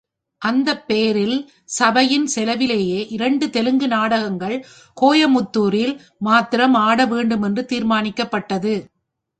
அதன் பேரில் சபையின் செலவிலேயே இரண்டு தெலுங்கு நாடகங்கள் கோயமுத்தூரில் மாத்திரம் ஆட வேண்டுமென்று தீர்மானிக்கப்பட்டது.